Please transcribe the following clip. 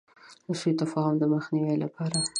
د سو تفاهم د مخنیوي لپاره.